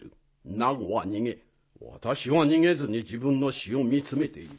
ナゴは逃げ私は逃げずに自分の死を見つめている。